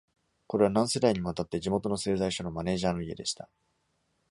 これは、何世代にもわたって地元の製材所のマネージャーの家でした。